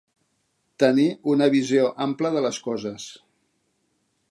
Tenir una visió ampla de les coses.